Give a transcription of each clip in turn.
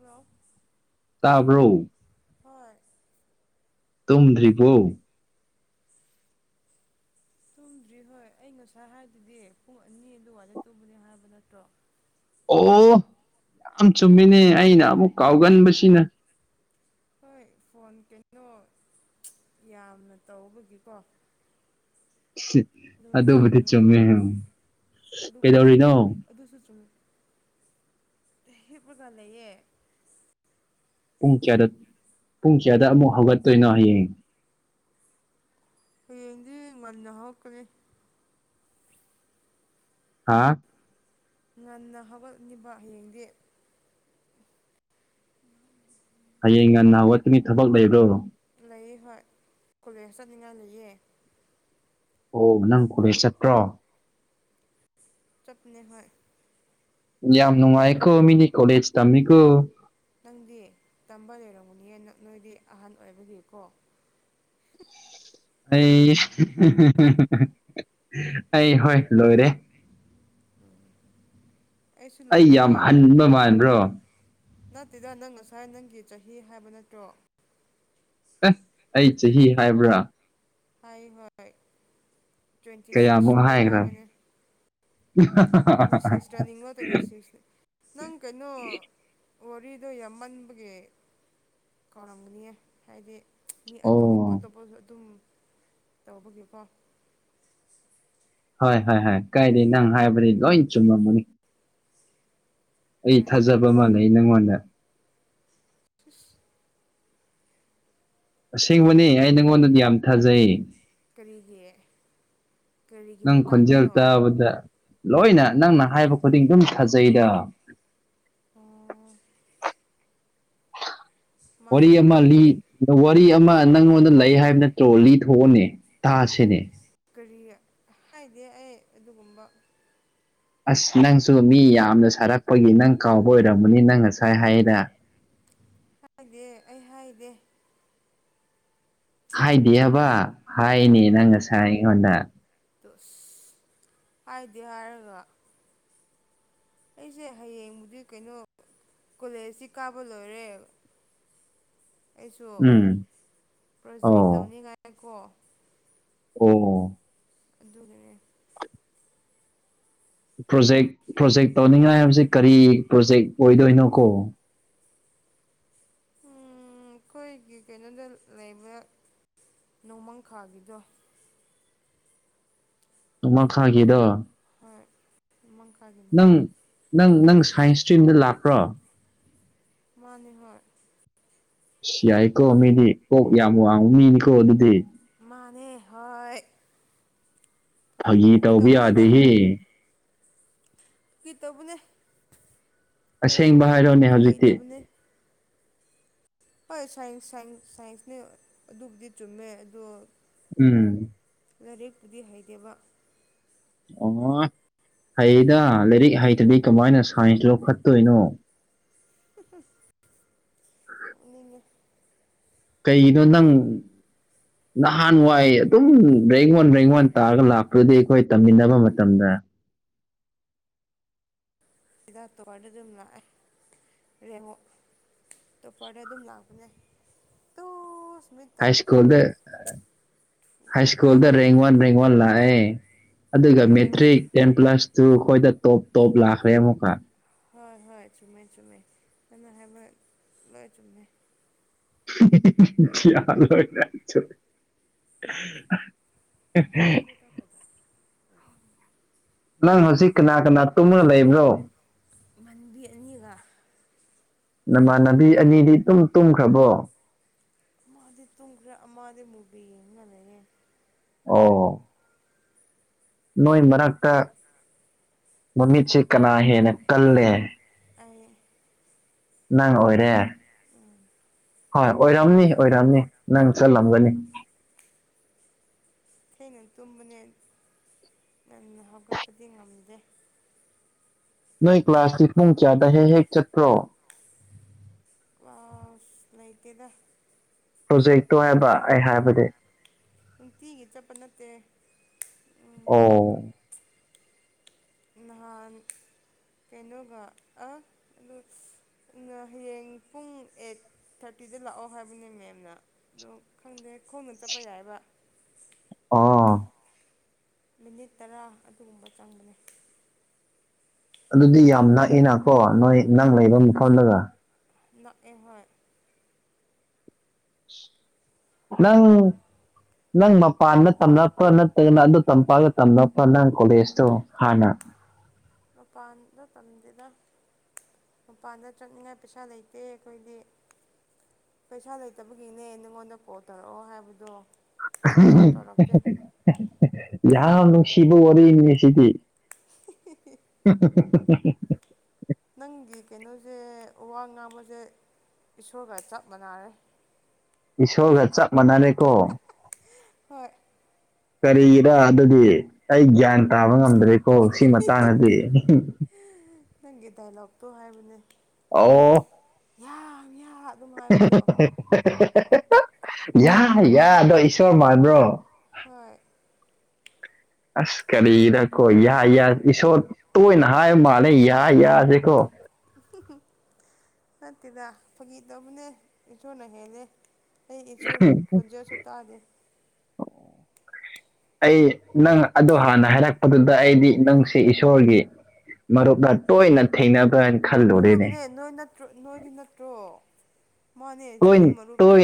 ꯍꯣ ꯇꯥꯕ꯭ꯔꯣ ꯍꯣꯏ ꯇꯨꯝꯗ꯭ꯔꯤꯕꯣ ꯇꯨꯝꯗ꯭ꯔꯤ ꯍꯣꯏ ꯑꯩ ꯉꯁꯥꯏ ꯍꯥꯏꯗꯨꯗꯤ ꯄꯨꯡ ꯑꯅꯤ ꯑꯗꯨ ꯋꯥꯂꯦ ꯇꯨꯕꯅꯦ ꯍꯥꯏꯕ ꯅꯠꯇ꯭ꯔꯣ ꯑꯣ ꯌꯥꯝ ꯆꯨꯝꯃꯤꯅꯦ ꯑꯩꯅ ꯑꯃꯨꯛ ꯀꯥꯎꯒꯟꯕꯁꯤꯅ ꯍꯣꯏ ꯐꯣꯟ ꯀꯩꯅꯣ ꯌꯥꯝꯅ ꯇꯧꯕꯒꯤꯀꯣ ꯑꯗꯨ ꯑꯗꯨꯕꯨꯗꯤ ꯑꯣꯏꯔꯝꯒꯅꯤꯌꯦ ꯆꯨꯝꯃꯦ ꯑꯗꯨꯕꯨꯗꯤ ꯆꯨꯝ ꯀꯩꯗꯧꯔꯤꯅꯣ ꯑꯗꯨꯁꯨ ꯆꯨꯝꯃꯦ ꯍꯦꯛꯄꯒ ꯂꯩꯌꯦ ꯄꯨꯡ ꯀꯌꯥꯗ ꯄꯨꯡ ꯀꯌꯥꯗ ꯑꯃꯨꯛ ꯍꯧꯒꯠꯇꯣꯏꯅꯣ ꯍꯌꯦꯡ ꯍꯌꯦꯡꯗꯤ ꯉꯟꯅ ꯍꯧꯔꯛꯀꯅꯤ ꯍꯥꯥ ꯉꯟꯅ ꯍꯧꯒꯠꯂꯤꯕ ꯍꯌꯦꯡꯗꯦ ꯍꯌꯦꯡ ꯉꯟꯅ ꯍꯧꯒꯠꯄꯒꯤ ꯊꯕꯛ ꯂꯩꯕ꯭ꯔꯣ ꯂꯩꯌꯦ ꯍꯣꯏ ꯀꯣꯂꯦꯖ ꯆꯠꯅꯤꯡꯉꯥꯏ ꯂꯩꯌꯦ ꯑꯣ ꯅꯪ ꯀꯣꯂꯦꯖ ꯆꯠꯇ꯭ꯔꯣ ꯆꯞꯅꯦ ꯍꯣꯏ ꯌꯥꯝ ꯅꯨꯡꯉꯥꯏꯀꯣ ꯃꯤꯗꯤ ꯀꯣꯂꯦꯖ ꯇꯝꯃꯤꯀꯣ ꯅꯪꯗꯤ ꯇꯝꯕ ꯂꯩꯔꯝꯒꯅꯤꯌꯦ ꯅꯣꯏꯗꯤ ꯑꯍꯟ ꯑꯣꯏꯕꯒꯤ ꯀꯣ ꯑꯩ ꯑꯩ ꯍꯣꯏ ꯂꯣꯏꯔꯦ ꯑꯩꯁꯨ ꯑꯩ ꯌꯥꯝ ꯂꯣꯏꯔꯦ ꯍꯟꯕ ꯃꯥꯟꯕ꯭ꯔꯣ ꯅꯠꯇꯦꯗ ꯅꯪ ꯉꯁꯥꯏ ꯅꯪꯒꯤ ꯆꯍꯤ ꯍꯥꯏꯕ ꯅꯠꯇ꯭ꯔꯣ ꯑꯦ ꯑꯩ ꯆꯍꯤ ꯍꯥꯏꯕ꯭ꯔꯥ ꯍꯥꯏ ꯍꯣꯏ ꯇ꯭ꯋꯦꯟꯇꯤ ꯁꯤꯛꯁ ꯀꯌꯥꯃꯨꯛ ꯁꯨꯔꯦ ꯍꯥꯏꯈ꯭ꯔ ꯍꯥꯏꯕꯅꯤ [unintelligible] ꯅꯪ ꯀꯩꯅꯣ ꯋꯥꯔꯤꯗꯣ ꯌꯥꯝꯃꯟꯕꯒꯤ ꯀꯥꯎꯔꯝꯒꯅꯤꯌꯦ ꯍꯥꯏꯗꯤ ꯃꯤ ꯑꯇꯣꯞꯄ ꯑꯣ ꯑꯇꯣꯞꯄꯁꯨ ꯑꯗꯨꯝ ꯇꯧꯕꯒꯤꯀꯣ ꯍꯣꯏ - ꯍꯣꯏ -ꯍꯣꯏ ꯀꯥꯏꯗ ꯅꯪ ꯍꯥꯏꯕꯗꯤ ꯂꯣꯏ ꯆꯨꯝꯃꯝꯃꯅꯤ ꯑꯩ ꯍꯣꯏ ꯊꯥꯖꯕ ꯃꯥ ꯂꯩ ꯅꯪꯉꯣꯟꯗ ꯐꯁ [unintelligible] ꯑꯁꯦꯡꯕꯅꯦ ꯑꯩꯒꯤꯗꯤ ꯑꯩ ꯅꯉꯣꯟꯗꯗꯤ ꯌꯥꯝ ꯊꯥꯖꯩ ꯀꯔꯤꯒꯤ ꯀꯔꯤꯒꯤ ꯅꯪ ꯈꯣꯟꯖꯦꯜ ꯃꯇꯥꯡꯗꯅꯣ ꯇꯥꯕꯗ ꯂꯣꯏꯅ ꯅꯪꯅ ꯍꯥꯏꯕ ꯈꯨꯗꯤꯡ ꯑꯗꯨꯝ ꯊꯥꯖꯩꯗ ꯑꯣ ꯋꯥꯔꯤ ꯃꯥꯅꯦ ꯑꯃ ꯍꯣꯏ ꯂꯤ ꯋꯥꯔꯤ ꯑꯃ ꯅꯪꯉꯣꯟꯗ ꯂꯩ ꯍꯥꯏꯕ ꯅꯠꯇ꯭ꯔꯣ ꯂꯤꯊꯣꯛꯑꯣꯅꯦ ꯀꯔꯤ ꯇꯥꯁꯤꯅꯦ ꯀꯔꯤ ꯍꯥꯏꯗꯦ ꯑꯩ ꯑꯗꯨꯒꯨꯝꯕ ꯑꯁ ꯅꯪꯁꯨ ꯃꯤ ꯌꯥꯝꯅ ꯁꯥꯔꯛꯄꯒꯤ ꯅꯪ ꯀꯥꯎꯕ ꯑꯣꯏꯔꯝꯃꯅꯤ ꯅꯪ ꯉꯁꯥꯏ ꯍꯥꯏꯔ ꯍꯥꯏꯗꯦ ꯑꯩ ꯍꯥꯏꯗꯦ ꯍꯥꯏꯗꯦ ꯍꯥꯏꯕ ꯍꯣꯏ ꯍꯥꯏꯅꯤ ꯅꯪ ꯉꯁꯥꯏ ꯑꯩꯉꯣꯟꯗ ꯑꯁ ꯍꯥꯏꯗꯤ ꯍꯥꯏꯔꯒ ꯑꯩꯁꯦ ꯍꯌꯦꯡꯕꯨꯗꯤ ꯀꯩꯅꯣ ꯀꯣꯂꯦꯖꯁꯤ ꯀꯥꯕ ꯂꯣꯏꯔꯦ ꯑꯩꯁꯨ ꯎꯝ ꯄ꯭ꯔꯣꯖꯦꯛ ꯑꯣ ꯇꯧꯅꯤꯡꯉꯥꯏ ꯀꯣ ꯑꯣ ꯑꯗꯨꯒꯅꯦ ꯄ꯭ꯔꯣꯖꯦꯛ ꯄ꯭ꯔꯣꯖꯦꯛ ꯇꯧꯅꯤꯡꯉꯥꯏ ꯍꯥꯏꯕꯁꯤ ꯀꯔꯤ ꯄ꯭ꯔꯣꯖꯦꯛ ꯑꯣꯏꯗꯣꯏꯅꯣꯀꯣ ꯑꯩꯈꯣꯏꯒꯤ ꯀꯩꯅꯣꯗ ꯂꯩꯕ ꯅꯣꯡꯃꯪꯈꯥꯒꯤꯗꯣ ꯅꯣꯡꯃꯈꯥꯀꯤꯗꯣ ꯍꯣꯏ ꯅꯣꯃꯪꯈꯥꯒꯤꯅꯦ ꯅꯪ-ꯅꯪ ꯁꯥꯏꯟꯁ ꯏꯁꯇ꯭ꯔꯤꯝꯗ ꯂꯥꯛꯄ꯭ꯔꯣ ꯃꯥꯅꯤ ꯍꯣꯏ ꯏꯁ ꯌꯥꯏꯀꯣ ꯃꯤꯗꯤ ꯀꯣꯛ ꯌꯥꯝ ꯋꯥꯡꯕ ꯃꯤꯅꯤꯀꯣ ꯑꯗꯨꯗꯤ ꯃꯥꯅꯦ ꯍꯣꯏ ꯐꯥꯒꯤ ꯇꯧꯕ ꯌꯥꯗꯦꯍꯦ ꯀꯤ ꯇꯧꯕꯅꯦ ꯂꯥꯏꯔꯤꯛ ꯑꯁꯦꯡꯕ ꯍꯥꯏꯔꯣꯅꯦ ꯍꯧꯖꯤꯛꯇꯤ ꯍꯩꯇꯕꯅꯦ ꯍꯣꯏ ꯁꯥꯏꯟꯁ ꯁ ꯁꯥꯏꯟꯁꯅꯤ ꯑꯗꯨꯕꯨꯗꯤ ꯆꯨꯝꯃꯦ ꯑꯗꯣ ꯎꯝ ꯂꯥꯏꯔꯤꯛꯄꯨꯗꯤ ꯍꯩꯇꯦꯕ ꯑꯣ ꯍꯩꯗ ꯂꯥꯏꯔꯤꯛ ꯍꯩꯇ꯭ꯔꯗꯤ ꯀꯃꯥꯏꯅ ꯁꯥꯏꯟꯁ ꯂꯧꯈꯠꯇꯣꯏꯅꯣ [inaudible] [unintelligible] ꯀꯩꯒꯤꯅꯣ ꯅꯪ ꯅꯍꯥꯟꯋꯥꯏ ꯑꯗꯨꯝ ꯕꯦꯡ ꯋꯥꯟ ꯕ꯭ꯔꯦꯡ ꯋꯥꯟ ꯇꯥꯔꯒ ꯂꯥꯛꯄ꯭ꯔꯗꯤ ꯑꯩꯈꯣꯏ ꯇꯝꯃꯤꯟꯅꯕ ꯃꯇꯝꯗ [unintelligible] ꯑꯗꯨꯝ ꯂꯥꯛꯑꯦ ꯔꯦꯡ ꯇ ꯐꯔꯦ ꯑꯗꯨꯝ ꯂꯥꯛꯄꯅꯦ ꯇ ꯁꯃꯤ ꯍꯥꯏ ꯁ꯭ꯀꯨꯜꯗ ꯍꯥꯏ ꯍꯥ ꯁ꯭ꯀꯨꯜꯗ ꯔꯦꯡꯒꯋꯥꯔ ꯔꯦꯡꯒꯋꯥꯔ ꯂꯥꯛꯌꯦ ꯑꯗꯨꯒ ꯍꯣꯏꯔꯦ ꯃꯦꯇ꯭ꯔꯤꯛ ꯇꯦꯟ ꯄ꯭ꯂꯁ ꯇꯨ ꯑꯩꯈꯣꯏꯗ ꯇꯣꯞ ꯇꯣꯞ ꯂꯥꯛꯈ꯭ꯔꯦ ꯑꯃꯨꯛꯀ ꯍꯣꯏ ꯍꯣꯏ ꯆꯨꯝꯃꯦ ꯆꯨꯝꯃꯦꯃ ꯍꯥꯏꯃ ꯂꯣꯏ ꯆꯨꯝꯃꯦ ꯌꯥꯅ ꯑꯣꯏ ꯆ ꯐ ꯇ ꯐꯖ ꯅꯪ ꯍꯧꯖꯤꯛ ꯀꯅꯥ ꯀꯅꯥ ꯇꯨꯝꯃꯅ ꯂꯩꯕ꯭ꯔꯣ ꯑꯟꯕꯤ ꯑꯅꯤꯒ ꯅꯃꯥꯟꯅꯕꯤ ꯑꯅꯤꯗꯤ ꯇꯨꯝ ꯇꯨꯝꯈ꯭ꯔꯕꯣ ꯃꯥꯗꯤ ꯇꯨꯝꯈ꯭ꯔꯦ ꯃꯥꯗꯤ ꯃꯨꯕꯤ ꯌꯦꯡ ꯉ ꯂꯩꯦ ꯑꯣ ꯅꯣꯏ ꯃꯔꯛꯇ ꯃꯃꯤꯠꯁꯦ ꯀꯅꯥ ꯍꯦꯟꯅ ꯀꯜꯂꯦ ꯑ ꯅꯪ ꯑꯣꯏꯔꯦ ꯎꯝ ꯍꯣꯏ ꯑꯣꯏꯔꯝꯅꯤ ꯑꯣꯏꯔꯝꯅꯤ ꯅꯪ ꯆꯠꯂꯝꯒꯅꯤ ꯏꯊꯩꯅ ꯇꯨꯝꯕꯅꯦ ꯉꯟꯅ ꯍꯥꯞꯀꯠꯄꯗꯤ ꯉꯝꯗꯦ ꯅꯣꯏ ꯀ꯭ꯂꯥꯁꯇꯤ ꯄꯨꯡ ꯀꯌꯥꯗ ꯍꯦꯛ ꯍꯦꯛ ꯆꯠꯄ꯭ꯔꯣ ꯑꯁ ꯂꯩꯇꯦꯗ ꯄ꯭ꯔꯣꯖꯦꯛꯇꯣ ꯍꯥꯏꯕ ꯑꯩ ꯍꯥꯏꯕꯗꯤ ꯅꯨꯡꯇꯤꯒꯤ ꯆꯠꯄ ꯅꯠꯇꯦ ꯑꯣ ꯅꯍꯥꯟ ꯀꯩꯅꯣꯒ ꯑ ꯑꯗꯨ ꯍꯌꯦꯡ ꯄꯨꯡ ꯑꯦꯠ ꯊꯥꯔꯇꯤꯗ ꯂꯥꯛꯑꯣ ꯍꯥꯏꯕꯅꯦ ꯃꯦꯝꯅ ꯑꯗꯣ ꯈꯪꯗꯦ ꯈꯣꯡꯅ ꯆꯠꯄ ꯌꯥꯏꯕ꯭ꯔ ꯑꯥ ꯃꯤꯅꯤꯠ ꯇꯔꯥ ꯑꯗꯨꯒꯨꯝꯕ ꯆꯪꯕꯅꯤ ꯑꯗꯨꯗꯤ ꯌꯥꯝ ꯅꯛꯏꯅꯀꯣ ꯅꯣꯏ ꯅꯪ ꯂꯩꯕ ꯃꯐꯝꯗꯨꯒ ꯅꯑ ꯍꯣꯏ ꯅꯪ ꯅꯪ ꯃꯄꯥꯟꯗ ꯇꯝꯅꯕ ꯅꯠꯇ꯭ꯔꯒꯅ ꯑꯗꯨ ꯇꯝꯄꯥꯛꯒ ꯇꯝꯅꯕ ꯅꯪ ꯀꯣꯂꯦꯖꯇꯣ ꯍꯥꯟꯅ ꯃꯄꯥꯟꯗ ꯃꯇꯝꯝꯗꯅ ꯃꯄꯥꯟꯗ ꯆꯠꯅꯤꯡꯉꯥꯏ ꯄꯩꯁꯥ ꯂꯩꯇꯦ ꯑꯩꯈꯣꯏꯗꯤ ꯄꯩꯁꯥ ꯂꯩꯇꯕꯒꯤꯅꯦ ꯅꯪꯉꯣꯟꯗ ꯀꯣꯜ ꯇꯧꯔꯛꯑꯣ ꯍꯥꯏꯕꯗꯣ ꯁꯨꯛꯇꯧ ꯇꯧꯔꯛꯇꯦ ꯌꯥꯝ ꯅꯨꯡꯁꯤꯕ ꯋꯥꯔꯤꯅꯤ ꯁꯤꯗꯤ ꯅꯪꯒꯤ ꯀꯩꯅꯣꯁꯦ ꯋꯥ ꯉꯥꯡꯕꯁꯦ ꯏꯁꯣꯔꯒ ꯆꯞ ꯃꯥꯟꯅꯔꯦ ꯏꯁꯣꯔꯒ ꯆꯞ ꯃꯥꯟꯅꯅꯀꯣ ꯍꯣꯏ ꯀꯔꯤꯒꯤꯔ ꯑꯗꯨꯗꯤ ꯑꯩ ꯒ꯭ꯌꯥꯟ ꯇꯥꯕ ꯉꯝꯗ꯭ꯔꯦꯀꯣ ꯁꯤ ꯃꯇꯥꯡꯗꯗꯤ ꯅꯪꯒꯤ ꯗꯥꯏꯂꯣꯛꯇꯣ ꯍꯥꯏꯕꯅꯦ ꯑꯥꯎ ꯌꯥꯥꯡ ꯌꯥ ꯌꯥꯏ ꯌꯥꯏ ꯑꯗꯣ ꯏꯁꯣꯔ ꯃꯥꯟꯕ꯭ꯔꯣ ꯍꯣꯏ ꯑꯁ ꯀꯔꯤꯗꯀꯣ ꯌꯥꯏ ꯌꯥ ꯏꯁꯣꯔ ꯇꯣꯏꯅ ꯍꯥꯏꯕ ꯃꯥꯜꯂꯦ ꯌꯥꯏ ꯌꯥꯁꯤꯀꯣ ꯅꯠꯇꯦꯗ ꯐꯥꯒꯤ ꯇꯧꯕꯅꯦ ꯏꯁꯣꯔꯅ ꯍꯦꯂꯦ ꯑꯩ ꯏꯁꯁꯨꯣꯔ ꯈꯨꯖꯁꯨ ꯇꯥꯗꯦ ꯑꯩ ꯅꯪ ꯑꯗꯣ ꯍꯥꯟꯅ ꯍꯥꯏꯔꯛꯄꯗꯨꯗ ꯑꯩꯗꯤ ꯅꯪꯁꯦ ꯏꯁꯣꯔꯒꯤ ꯃꯔꯨꯞꯅ ꯇꯣꯏꯅ ꯊꯦꯡꯅꯕꯅꯤ ꯃꯔꯨꯞꯅꯦ ꯅꯣꯏ ꯅꯠꯇ꯭ꯔꯣ ꯅꯣꯏꯗꯤ ꯅꯠꯇ꯭ꯔꯣ ꯃꯥꯅꯦ ꯆꯨꯝꯃꯦ ꯃꯔꯨꯞꯅꯦ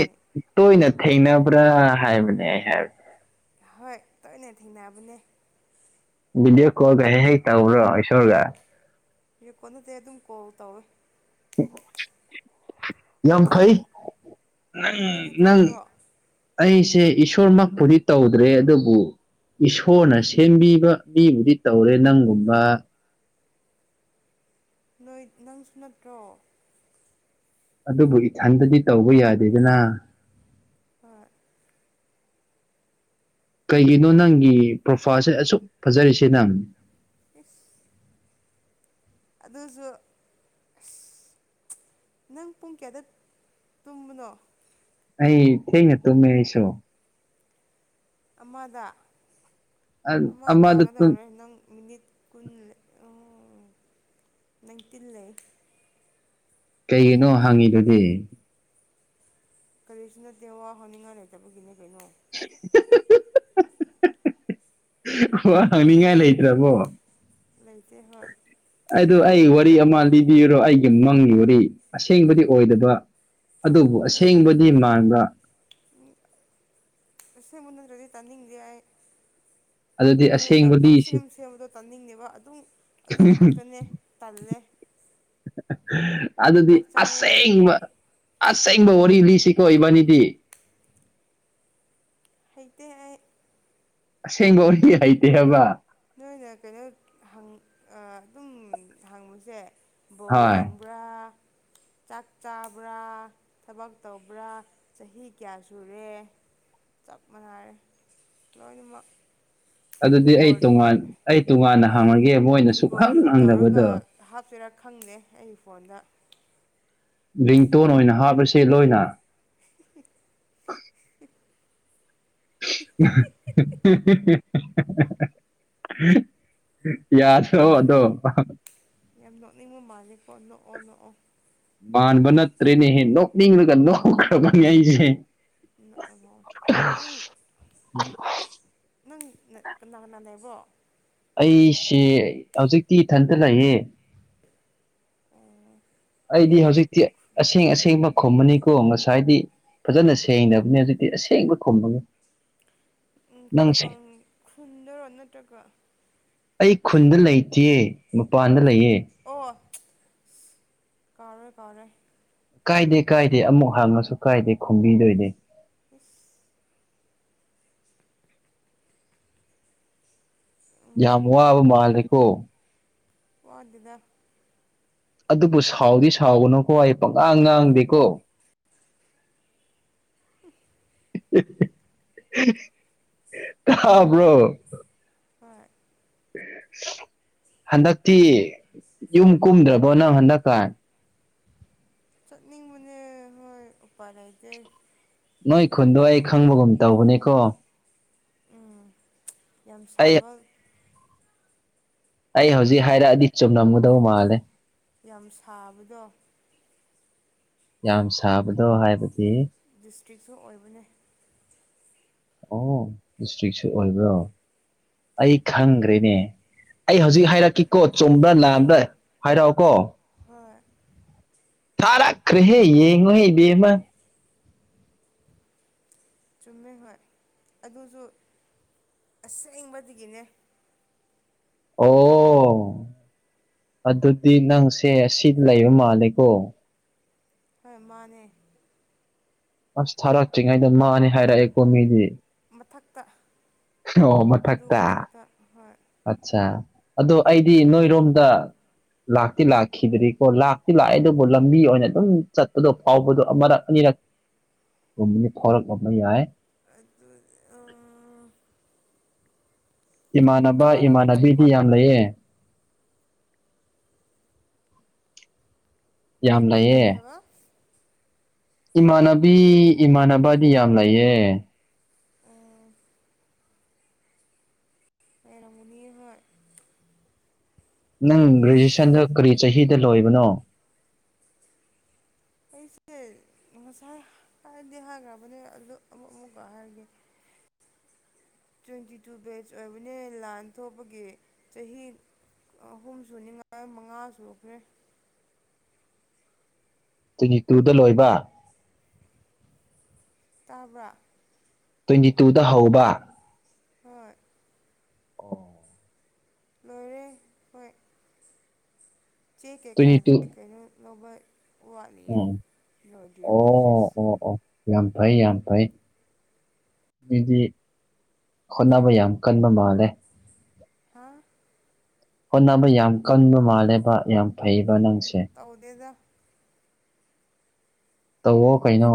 ꯇꯣꯏꯅ ꯊꯦꯡꯅꯕ꯭ꯔꯥ ꯍꯥꯏꯕꯅꯦ ꯑꯩ ꯍꯥꯏꯕ ꯍꯣꯏ ꯇꯣꯏꯅꯦ ꯊꯦꯡꯅꯕꯅꯦ ꯚꯗꯤꯑꯣ ꯀꯣꯜꯒ ꯍꯦꯛ ꯍꯦꯛ ꯇꯧꯕ꯭ꯔꯣ ꯏꯁꯣꯔꯒ ꯌꯦꯀꯣꯟꯗꯗꯤ ꯑꯗꯨꯝ ꯀꯣꯜ ꯇꯧꯋꯦ ꯌꯥꯝ ꯐꯩ ꯚꯤꯗꯤꯑꯣ ꯅꯪ ꯅꯣꯏꯗꯤ ꯅꯪ ꯇꯧꯗ꯭ꯔꯣ ꯑꯩꯁꯦ ꯏꯁꯣꯔꯃꯛꯄꯨꯗꯤ ꯇꯧꯗ꯭ꯔꯦ ꯑꯗꯨꯕꯨ ꯏꯁꯣꯔꯅ ꯁꯦꯝꯕꯤꯕ ꯃꯤꯕꯨꯗꯤ ꯇꯧꯔꯦ ꯅꯪꯒꯨꯝꯕ ꯅꯣꯏ ꯅꯪꯁꯨ ꯅꯠꯇ꯭ꯔꯣ ꯑꯗꯨꯕꯨ ꯏꯊꯟꯗꯗꯤ ꯇꯧꯕ ꯌꯥꯗꯦꯗꯅ ꯍ ꯀꯩꯒꯤꯅꯣ ꯅꯪꯒꯤ ꯄ꯭ꯔꯣꯐꯥꯏꯜꯁꯦ ꯑꯁꯨꯛ ꯐꯖꯔꯤꯁꯦ ꯅꯪ ꯈꯨꯁ ꯑꯗꯨꯁꯨ ꯅꯪ ꯄꯨꯡ ꯀꯌꯥꯗ ꯇꯨꯝꯕꯅꯣ ꯑꯩ ꯊꯩꯅꯦ ꯇ ꯃꯁꯨꯣ ꯑꯃꯗ ꯑꯃ ꯑꯃꯗ ꯇꯨꯝ ꯇꯥꯒꯗꯧꯔꯔꯣꯏ ꯅꯪ ꯃꯤꯅꯤꯠ ꯀꯨꯟ ꯅꯪ ꯇꯤꯜꯂꯦ ꯀꯩꯒꯤꯅꯣ ꯍꯪꯉꯤꯗꯨꯗꯤ ꯀꯔꯤꯁꯨ ꯅꯠꯇꯦ ꯋꯥ ꯍꯥꯏꯅꯤꯡꯉꯥꯏ ꯂꯩꯇꯕꯒꯤꯅꯦ ꯀꯩꯅꯣ ꯋꯥ ꯍꯪꯅꯤꯡꯉꯥꯏ ꯂꯩꯇ꯭ꯔꯕꯣ ꯂꯩꯇꯦ ꯍꯣꯏ ꯑꯩꯗ ꯑꯩ ꯋꯥꯔꯤ ꯑꯃ ꯂꯤꯕꯤꯔꯣ ꯑꯩꯒꯤ ꯃꯪꯒꯤ ꯋꯥꯔꯤ ꯑꯁꯦꯡꯕꯗꯤ ꯑꯣꯏꯗꯕ ꯑꯗꯨꯕꯨ ꯇꯥꯅꯤꯡꯗꯦ ꯑꯁꯦꯡꯕꯗꯤ ꯃꯥꯟꯕ ꯄꯁ ꯃꯟꯅꯗꯗꯤ ꯇꯅꯤꯡꯌꯥꯥꯏ ꯑꯗꯨꯗꯤ ꯅꯣꯏꯅ ꯑꯁꯦꯡꯕ ꯂꯤꯁꯤ ꯄꯪꯁꯦꯝ ꯁꯦꯝꯕꯗꯣ ꯇꯥꯅꯤꯡꯉꯦꯕ ꯑꯗꯨꯝ ꯑꯗꯨꯝ ꯋꯥꯥꯛꯀꯅꯦ ꯇꯜꯂꯦ ꯑꯗꯨꯗꯤ ꯆꯥꯛ ꯆꯥꯔ ꯑꯁꯦꯡꯕ ꯑꯁꯦꯡꯕ ꯋꯥꯔꯤ ꯂꯤꯁꯤꯀꯣ ꯏꯕꯥꯅꯤꯗꯤ ꯍꯩꯇ ꯑꯁꯦꯡꯒꯣꯔꯤ ꯍꯩꯇꯦ ꯍꯥꯏꯕ ꯅꯣꯏꯅ ꯀꯩꯅꯣ ꯑꯗꯨꯝ ꯍꯪꯕꯁꯦ ꯕꯣ ꯍꯣꯏ ꯌꯦꯡ ꯄꯨꯔꯥ ꯆꯥꯛ ꯆꯥꯕ꯭ꯔꯥ ꯊꯕꯛ ꯇꯧꯕ꯭ꯔꯥ ꯆꯍꯤ ꯀꯌꯥ ꯁꯨꯔꯦ ꯆꯞ ꯃꯥꯟꯅꯔꯦ ꯂꯣꯏꯅꯃꯛ ꯑꯗꯨꯗꯤ ꯑꯩ ꯔꯦꯀꯣꯔꯠ ꯇꯣꯉꯥꯟ ꯑꯩ ꯇꯣꯉꯥꯟꯅ ꯍꯥꯡꯉꯒꯦ ꯃꯣꯏꯅ ꯁꯨꯛꯍꯪ ꯍꯪꯗꯕꯗꯣ ꯍꯥꯞꯆꯦꯔꯥ ꯈꯪꯗꯦ ꯑꯩꯒꯤ ꯐꯣꯟꯗ ꯂꯡꯇꯣꯟ ꯑꯣꯏꯅ ꯍꯥꯞꯄꯁꯦ ꯂꯣꯏꯅ ꯎ ꯌꯥꯗ ꯑꯗꯣ ꯌꯥꯝ ꯅꯣꯛꯅꯤꯡꯕ ꯃꯥꯜꯂꯦꯀꯣ ꯅꯣꯛꯑꯣ ꯅꯣꯛꯑꯣ ꯄꯥꯟꯕ ꯅꯠꯇ꯭ꯔꯦꯅꯦꯍꯦ ꯅꯣꯛꯅꯤꯡꯉꯒ ꯅꯣꯛꯈ꯭ꯔꯕꯅꯤ ꯑꯩꯁꯦ ꯅꯪ ꯑꯁ ꯅꯪ ꯀꯅꯥ ꯀꯅꯥꯅꯦꯕꯣ ꯑꯩꯁꯦ ꯍꯧꯖꯤꯛꯇꯤ ꯏꯊꯟꯇ ꯂꯩꯌꯦꯦ ꯑꯩꯗꯤ ꯌꯨꯝ ꯍꯧꯖꯤꯛꯇꯤ ꯑꯁꯦꯡ ꯑꯁꯦꯡꯕ ꯈꯨꯝꯃꯅꯤꯀꯣ ꯉꯁꯥꯏꯗꯤ ꯐꯖꯅ ꯁꯦꯡꯅꯕꯅꯦ ꯍꯧꯖꯤꯛꯇꯤ ꯑꯁꯦꯡꯕ ꯈꯨꯝꯕꯒ ꯈꯨꯟꯗꯥꯔꯣ ꯅꯠꯇ꯭ꯔꯒ ꯑꯩ ꯈꯨꯟꯗ ꯂꯩꯇꯤꯌꯦ ꯃꯄꯥꯟꯗ ꯂꯩꯌꯦ ꯑꯣ ꯀꯥꯥꯎꯔꯦ ꯀꯥꯎꯔꯦ ꯀꯥꯏꯗꯦ ꯀꯥꯏꯗꯦ ꯑꯃꯨꯛ ꯍꯥꯡꯉꯁꯨ ꯀꯥꯏꯗꯦ ꯈꯨꯝꯕꯤꯗꯣꯏꯅꯦ ꯏꯁ ꯌꯥꯝ ꯋꯥꯕ ꯃꯥꯜꯂꯦꯀꯣ ꯋꯥꯗꯦꯗ ꯑꯗꯨꯕꯨ ꯁꯥꯎꯗꯤ ꯁꯥꯎꯒꯅꯨꯀꯣ ꯑꯩ ꯄꯪꯉꯥꯡ ꯉꯥꯡꯗꯦꯀꯣ [unintelligible] ꯇꯥꯕ꯭ꯔꯣ ꯍꯣꯏ ꯍꯟꯗꯛꯇꯤ ꯌꯨꯝ ꯀꯨꯝꯗ꯭ꯔꯕꯣ ꯅꯪ ꯍꯟꯗꯛꯀ ꯆꯠꯅꯤꯡꯕꯅꯦ ꯍꯣꯏ ꯎꯄꯥꯏ ꯂꯩꯇꯦ꯫ ꯅꯣꯏ ꯈꯨꯟꯗꯣ ꯑꯩ ꯈꯪꯕꯒꯨꯝ ꯇꯧꯕꯅꯦꯀꯣ ꯎꯝ ꯌꯥꯝ ꯑꯩ ꯁꯥꯕ ꯑꯩ ꯍꯧꯖꯤꯛ ꯌꯥꯝ ꯍꯥꯏꯔꯛꯑꯗꯤ ꯆꯨꯝꯂꯝꯒꯗꯧꯕ ꯃꯥꯜꯂꯦ ꯌꯥꯝ ꯁꯥꯕꯗꯣ ꯌꯥꯝ ꯁꯥꯕꯗꯣ ꯍꯥꯏꯕꯗꯣ ꯗꯤꯁꯇ꯭ꯔꯤꯛꯁꯨ ꯑꯣꯏꯕꯅꯦ ꯑꯣ ꯗꯤꯁꯇ꯭ꯔꯤꯛꯁꯨ ꯑꯣꯏꯕ꯭ꯔꯣ ꯑꯩ ꯈꯪꯈ꯭ꯔꯦꯅꯦ ꯑꯩ ꯍꯧꯖꯤꯛ ꯍꯥꯏꯔꯛꯀꯤꯀꯣ ꯆꯨꯝꯕ꯭ꯔꯥ ꯂꯥꯟꯕ꯭ꯔꯥ ꯍꯥꯏꯔꯛꯑꯣꯀꯣ ꯍꯣꯏ ꯊꯥꯔꯛꯈꯔ꯭ꯦꯍꯦ ꯌꯦꯉꯣꯍꯦ ꯏꯕꯦꯝꯃꯥ ꯆꯨꯝꯃꯦ ꯍꯣꯏ ꯑꯗꯨꯁꯨ ꯑꯁꯦꯡꯕꯗꯒꯤꯅꯦ ꯑꯣ ꯑꯗꯨꯗꯤ ꯅꯪꯁꯦ ꯑꯁꯤꯗ ꯂꯩꯕ ꯃꯥꯜꯂꯦꯀꯣ ꯍꯣꯏ ꯃꯥꯅꯦ ꯑꯁ ꯊꯥꯔꯛꯇ꯭ꯔꯤꯉꯩꯗ ꯃꯥꯅꯤ ꯍꯥꯏꯔꯛꯑꯦꯀꯣ ꯃꯤꯗꯤ ꯃꯊꯛꯇ ꯑꯗꯨ ꯃꯊꯛꯇ ꯍꯣꯏ ꯑꯠꯆꯥ ꯑꯗꯣ ꯑꯩꯗꯤ ꯅꯣꯏꯔꯣꯝꯗ ꯂꯥꯛꯇꯤ ꯂꯥꯛꯈꯤꯗꯔꯤꯀꯣ ꯂꯥꯛꯇꯤ ꯂꯥꯛꯑꯦ ꯑꯗꯨꯕꯨ ꯂꯝꯕꯤ ꯑꯣꯏꯅ ꯑꯗꯨꯝ ꯆꯠꯄꯗꯣ ꯐꯥꯎꯕꯗꯣ ꯑꯃꯔꯛ ꯑꯅꯤꯔꯛ [unintelligible] ꯌꯥꯏ ꯑꯗꯨꯅꯤ ꯎꯝ ꯏꯃꯥꯟꯅꯕ ꯏꯃꯥꯟꯅꯕꯤꯗꯤ ꯌꯥꯝ ꯂꯩꯌꯦ ꯌꯥꯝ ꯀꯔꯤ ꯂꯩꯌꯦ ꯍꯥꯏꯕ ꯏꯃꯥꯟꯅꯕꯤ ꯏꯃꯥꯟꯅꯕꯗꯤ ꯌꯥꯝ ꯂꯩꯌꯦ ꯂꯩꯔꯝꯒꯅꯤꯌꯦ ꯍꯣꯏ ꯅꯪ ꯑꯁ ꯒ꯭ꯔꯦꯖꯨꯑꯦꯁꯟꯗꯣ ꯀꯔꯤ ꯆꯍꯤꯗꯥ ꯂꯣꯏꯕꯅꯣ ꯑꯩꯁꯦ ꯉꯁꯥꯏ ꯍꯥꯏꯗꯤ ꯍꯥꯏꯈ꯭ꯔꯕꯅꯦ ꯑꯗꯨ ꯑꯃꯨꯛ ꯑꯃꯨꯛꯀ ꯍꯥꯏꯔꯒꯦ [inaudible] ꯇ꯭ꯋꯦꯟꯇꯤ ꯇꯨ ꯕꯦꯖ ꯑꯣꯏꯕꯅꯦ ꯂꯥꯟ ꯊꯣꯛꯄꯒꯤ ꯆꯍꯤ ꯑꯍꯨꯝ ꯁꯨꯅꯤꯉꯥꯏ ꯃꯉꯥ ꯁꯨꯈ꯭ꯔꯦ ꯇ꯭ꯋꯦꯟꯇꯤ ꯇꯨꯗ ꯂꯣꯏꯕ ꯇꯥꯕ꯭ꯔꯥ ꯇ꯭ꯋꯦꯟꯇꯤ ꯇꯨꯗ ꯍꯧꯕ ꯍꯣꯏ ꯑꯣ ꯂꯣꯏꯔꯦ ꯍꯣꯏ ꯆꯦꯛ ꯀꯩꯀꯥ ꯇ꯭ꯋꯦꯟꯇꯤ ꯇꯨ ꯀꯩꯅꯣ ꯂꯧꯕ ꯋꯥꯠꯂꯤꯌꯦ ꯎꯝ ꯂꯣꯏꯗ꯭ꯔꯤꯌꯦ ꯄ꯭ꯔꯣꯁꯦꯁ ꯑꯣ ꯑꯣ ꯑꯣ ꯌꯥꯝ ꯐꯩ ꯌꯥꯝ ꯐꯩ ꯃꯤꯗꯤ ꯍꯣꯠꯅꯕ ꯌꯥꯝ ꯀꯟꯕ ꯃꯥꯜꯂꯦ ꯍꯥꯥ ꯍꯣꯠꯅꯕ ꯌꯥꯝ ꯀꯟꯕ ꯃꯥꯜꯂꯦꯕ ꯌꯥꯝ ꯐꯩꯕ ꯅꯪꯁꯦ ꯇꯧꯗꯦꯗ ꯇꯧꯑꯣ ꯀꯩꯅꯣ